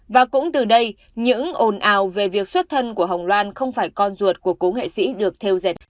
và cũng từ đây những ồn ào về việc xuất thân của hồng loan không phải con ruột của cố nghệ sĩ được theo dệt